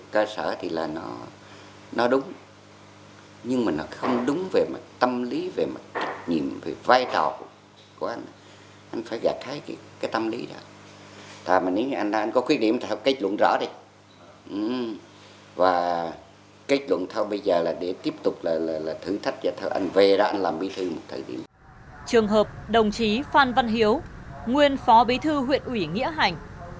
chương hợp đồng chí phan văn hiếu nguyên phó bí thư huyện ủy nghĩa hành